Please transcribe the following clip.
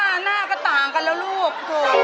หน้าก็ต่างกันแล้วลูก